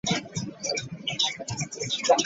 Lubeerera tubadddenga tubagamba okwekuuma ennyo.